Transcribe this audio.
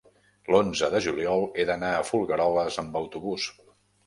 l'onze de juliol he d'anar a Folgueroles amb autobús.